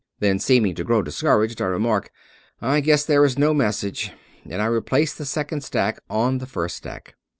Then seeming to grow discouraged, I remark, " I g^ess there is no message"; and I replace the second stack on the first stack.